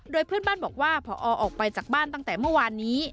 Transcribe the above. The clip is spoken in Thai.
โดยเพื่อนบ้านบอกว่าพอออกไปจากบ้านตั้งแต่เมื่อวานนี้